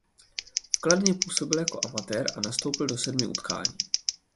V Kladně působil jako amatér a nastoupil do sedmi utkání.